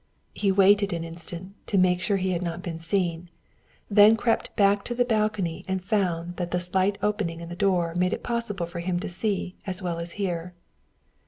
He waited an instant to make sure he had not been seen, then crept back to the balcony and found that the slight opening in the door made it possible for him to see as well as hear.